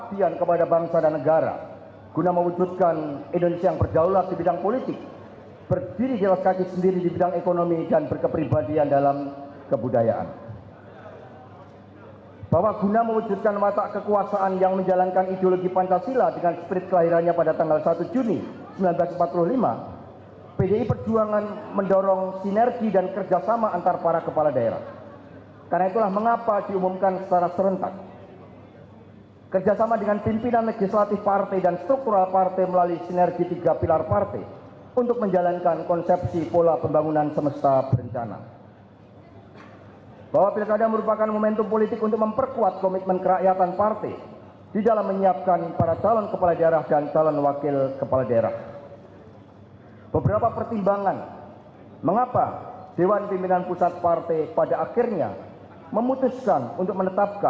provinsi ini juga dimekarkan pada zaman ibu megawati soekarno putri sebagai presiden ke lima